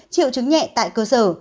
triệu chứng nhẹ tại cơ sở